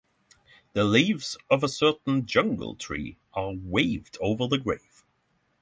The leaves of a certain jungle tree are waved over the grave.